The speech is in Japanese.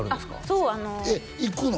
そうえっ行くの？